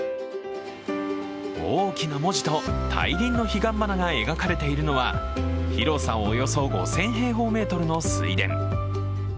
大きな文字と大輪の彼岸花が描かれているのは広さおよそ５０００平方メートルの水田。